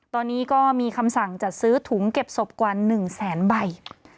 ตอนนี้ก็มีคำสั่งจัดซื้อถุงเก็บศพกว่า๑แสนใบ